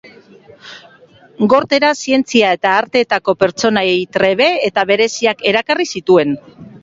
Gortera zientzia eta arteetako pertsonaia trebe eta bereziak erakarri zituen.